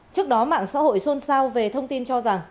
trước đó mạng xã hội xôn xao về thông tin cho rằng